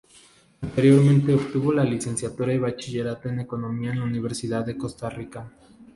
Anteriormente obtuvo la licenciatura y bachillerato en economía en la Universidad de Costa Rica.